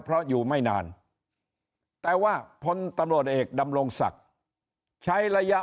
เพราะอยู่ไม่นานแต่ว่าพลตำรวจเอกดำรงศักดิ์ใช้ระยะ